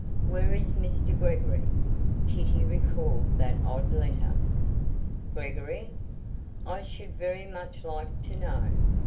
"Where is Mr. Gregory?" Kitty recalled that odd letter. "Gregory? I should very much like to know.